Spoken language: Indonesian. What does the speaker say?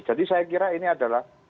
jadi saya kira ini adalah